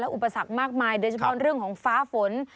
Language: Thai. อุปสรรคมากมายโดยเฉพาะเรื่องของฟ้าฝน